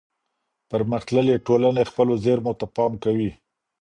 پرمختللې ټولني خپلو زیرمو ته پام کوي.